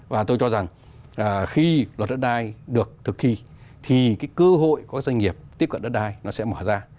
và tôi cho rằng khi luật đất đai được thực thi thì cái cơ hội của các doanh nghiệp tiếp cận đất đai nó sẽ mở ra